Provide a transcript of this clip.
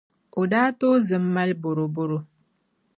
o daa tooi zim m-mali bɔrɔbɔro.